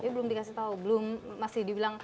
ini belum dikasih tau belum masih dibilang